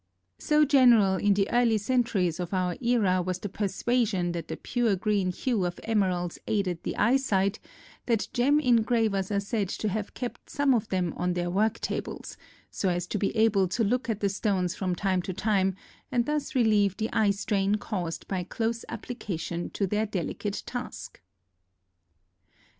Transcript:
So general in the early centuries of our era was the persuasion that the pure green hue of emeralds aided the eyesight, that gem engravers are said to have kept some of them on their work tables, so as to be able to look at the stones from time to time and thus relieve the eye strain caused by close application to their delicate task.